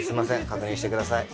確認してください。